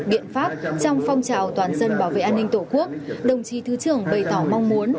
biện pháp trong phong trào toàn dân bảo vệ an ninh tổ quốc đồng chí thứ trưởng bày tỏ mong muốn